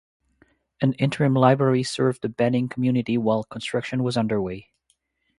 An interim library served the Benning community while construction was underway.